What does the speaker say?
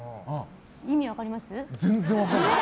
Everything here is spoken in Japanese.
意味分かります？